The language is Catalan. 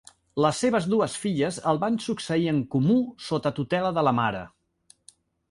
Les seves dues filles el van succeir en comú sota tutela de la mare.